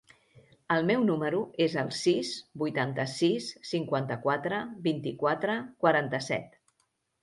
El meu número es el sis, vuitanta-sis, cinquanta-quatre, vint-i-quatre, quaranta-set.